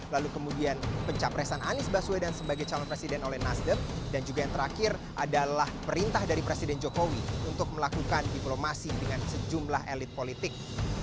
lalu kemudian pencapresan anies baswedan sebagai calon presiden oleh nasdem dan juga yang terakhir adalah perintah dari presiden jokowi untuk melakukan diplomasi dengan sejumlah elit politik